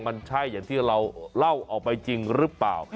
มันใช่อย่างที่เราเล่าออกไปจริงหรือเปล่า